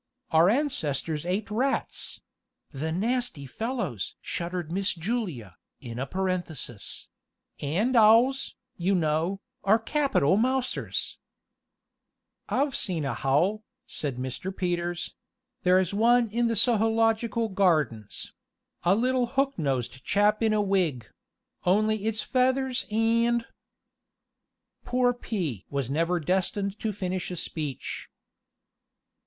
Our ancestors ate rats ('The nasty fellows!' shuddered Miss Julia, in a parenthesis); and owls, you know, are capital mousers " "I've seen a howl," said Mr. Peters; "there's one in the Sohological Gardens a little hook nosed chap in a wig only its feathers and " Poor P. was destined never to finish a speech.